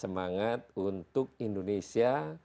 semangat untuk indonesia